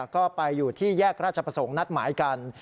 ก็ไปอยู่ที่แยกราชประสงค์นัดหมายกัน